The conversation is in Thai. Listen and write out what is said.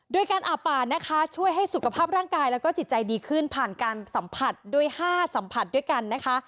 โดยการอาบป่านะคะช่วยให้สุขภาพร่างกายแล้วก็จิตใจดีขึ้นผ่านการสัมผัสด้วย๕สัมผัสด้วยกันนะคะ